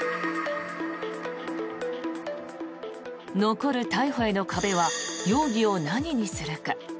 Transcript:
残る逮捕への壁は容疑を何にするか。